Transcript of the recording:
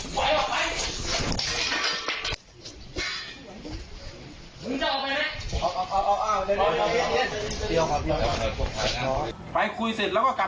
ไปคุยเสร็จแล้วก็กลับมาเท่านั้นแหละ